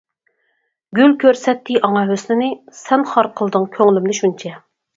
گۈل كۆرسەتتى ئاڭا ھۆسنىنى، سەن خار قىلدىڭ كۆڭلۈمنى شۇنچە.